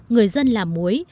người dân làm muối